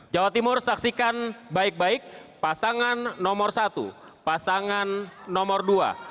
jawa timur saksikan baik baik pasangan nomor satu pasangan nomor dua